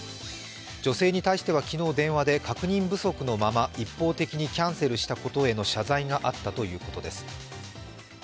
女性に対しては昨日、電話で確認不足のまま一方的にキャンセルしたことへの謝罪があったということです。